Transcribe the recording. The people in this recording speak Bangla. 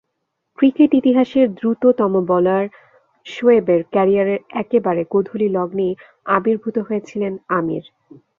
ক্রিকেট ইতিহাসের দ্রুততম বোলার শোয়েবের ক্যারিয়ারের একেবারে গোঁধূলি-লগ্নেই আবির্ভূত হয়েছিলেন আমির।